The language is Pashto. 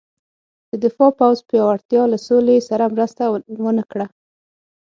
د دفاع پوځ پیاوړتیا له سولې سره مرسته ونه کړه.